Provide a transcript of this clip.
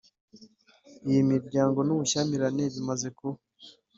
Iyi mirwano n’ubushyamirane bimaze kuba